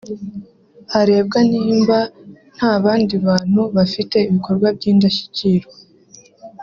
harebwa niba nta bandi bantu bafite ibikorwa by’indashyikirwa